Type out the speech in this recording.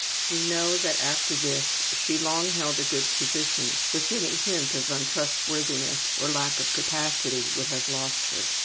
We know that after this she long held a good position which any hint of untrustworthiness or lack of capacity would have lost her.